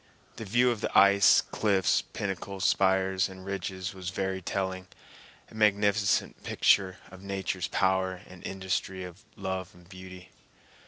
The view of the ice cliffs, pinnacles, spires and ridges was very telling, a magnificent picture of nature's power and industry and love of beauty.